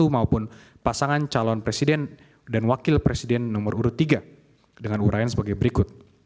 maupun pasangan calon presiden dan wakil presiden nomor urut tiga dengan urayan sebagai berikut